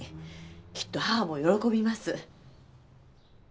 きっと母も喜びます。